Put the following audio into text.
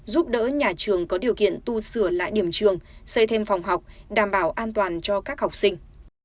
giúp đỡ nhà trường có điều kiện tu sửa lại điểm trường xây thêm phòng học đảm bảo an toàn cho các học sinh